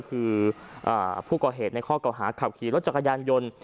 คือผู้ก่อเหตุในข้อเก่าหาขับขี่รถจักรยานยนต์